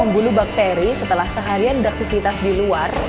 membunuh bakteri setelah seharian beraktivitas di luar